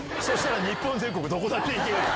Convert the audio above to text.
日本全国どこだって行けるよ！